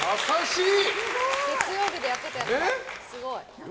月曜日でやってたやつだ。